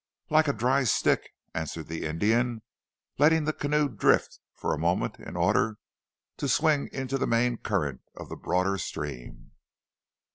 "Like a dry stick," answered the Indian, letting the canoe drift for a moment in order to swing into the main current of the broader stream.